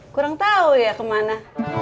kurang tau ya kemana